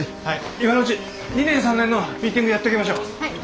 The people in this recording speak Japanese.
今のうち２年３年のミーティングやっておきましょう。